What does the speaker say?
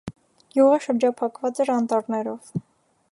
Գյուղը շրջափակված էր անտառներով։